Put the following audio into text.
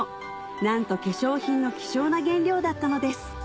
なんと化粧品の希少な原料だったのです